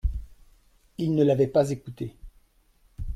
Ils ne l’avaient pas écouté.